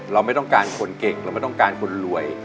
เราไม่ต้องการคนเก่งเราไม่ต้องการคนรวย